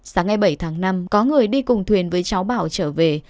sáng ngày bảy tháng năm có người đi cùng thuyền với cháu bảo trở về